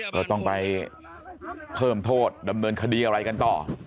ก็ต้องไปเพิ่มโทษดำเนินคดีอะไรกันต่อ